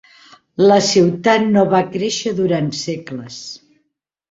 La ciutat no va créixer durant segles.